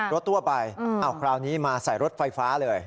รถทั่วไปคราวนี้มาใส่รถไฟฟ้าเลย